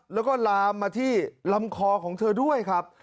แล้วก็ลามมาที่ลำคอของเธอด้วยครับ